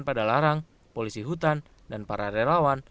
pada larang polisi hutan dan para relawan